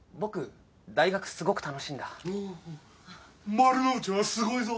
丸の内はすごいぞ。